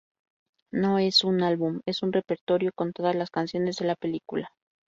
No es un álbum es un repertorio con todas las canciones de la película.